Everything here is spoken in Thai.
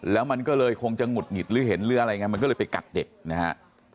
แล้วมันก็เลยคงจะหุดหงิดหรือเห็นหรืออะไรไงมันก็เลยไปกัดเด็กนะฮะ